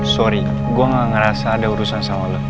sorry gue gak ngerasa ada urusan sama lo